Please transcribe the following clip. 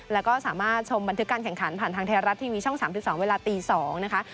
แล้วก็สามารถชมบันทึกการแข่งขันผ่านทางไทยรัฐทีวีช่อง๓๒เวลาตี๒นะคะ